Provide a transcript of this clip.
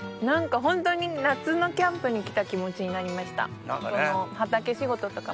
ホントに夏のキャンプに来た気持ちになりました。